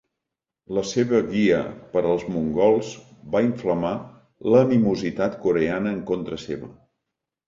La seva guia per als mongols va inflamar l'animositat coreana en contra seva.